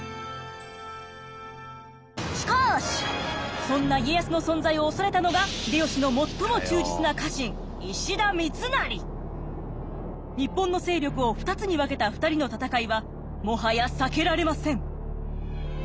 しかしそんな家康の存在を恐れたのが日本の勢力を２つに分けた２人の戦いはもはや避けられません！